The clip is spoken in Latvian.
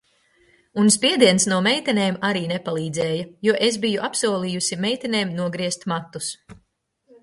Un spiediens no meitenēm arī nepalīdzēja, jo es biju apsolījusi meitenēm nogriezt matus.